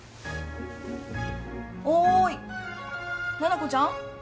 おい七子ちゃん？